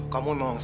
kamu memang sengaja